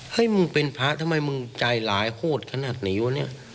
มึงเป็นพระทำไมมึงใจหลายโหดขนาดนี้วะเนี่ย